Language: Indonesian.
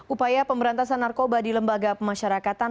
upaya pemberantasan narkoba di lembaga pemasyarakatan